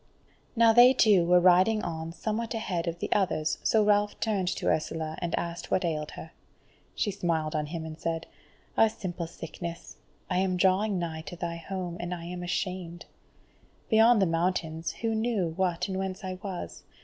Now they two were riding on somewhat ahead of the others, so Ralph turned to Ursula, and asked what ailed her. She smiled on him and said: "A simple sickness. I am drawing nigh to thy home, and I am ashamed. Beyond the mountains, who knew what and whence I was?